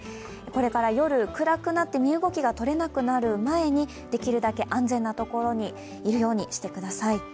これから夜、暗くなって身動きがとれなくなる前にできるだけ安全な所にいるようにしてください。